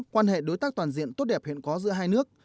quan hệ đối tác toàn diện tốt đẹp hiện có giữa hai nước